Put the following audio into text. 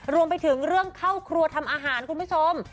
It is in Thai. รวมไปถึงเรื่องเข้าครัวทำอาหารคุณผู้ชม